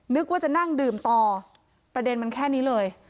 นึกว่าจะนั่งดื่มต่อประเด็นมันแค่นี้เลย